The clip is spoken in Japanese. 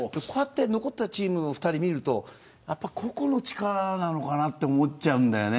残ったチームの２人を見ると個々の力なのかなって思っちゃうんだよね